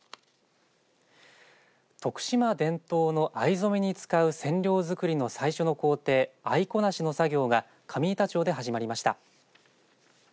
徳島伝統の藍染めに使う染料づくりの最初の工程藍粉成しの作業が上板町で始まりました。